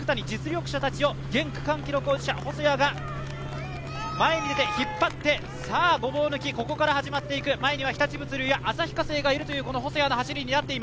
鉄人です、その岡本や聞谷、実力者たちを現区間記録保持者細谷が前に出て引っ張って、ごぼう抜き、ここから始まっていく、前には日立物流や旭化成がいます。